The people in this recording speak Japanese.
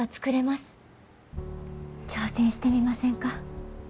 挑戦してみませんか？